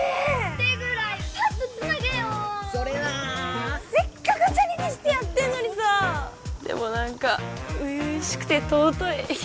手ぐらいパッとつなげよそれなせっかく２人にしてやってんのにさーでも何か初々しくて尊い